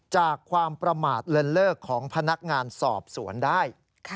จากความประมาทเลินเลิกของพนักงานสอบสวนได้